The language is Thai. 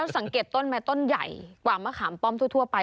สังเกตต้นไม้ต้นใหญ่กว่ามะขามป้อมทั่วไป